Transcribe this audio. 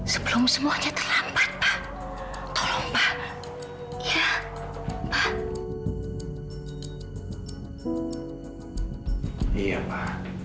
sebelum semuanya terlambat pa tolong pa ya pa